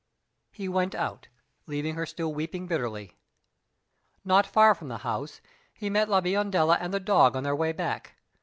He went out, leaving her still weeping bitterly. Not far from the house, he met La Biondella and the dog on their way back.